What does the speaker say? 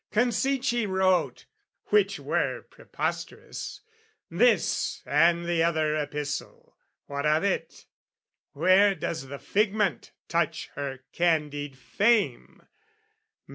Concede she wrote (which were preposterous) This and the other epistle, what of it? Where does the figment touch her candid fame?